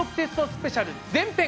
スペシャル前編